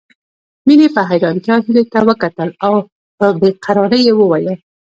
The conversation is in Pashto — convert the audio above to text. مينې په حيرانتيا هيلې ته وکتل او په بې قرارۍ يې وويل